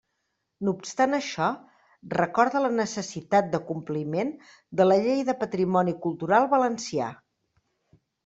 No obstant això, recorda la necessitat de compliment de la Llei de patrimoni cultural valencià.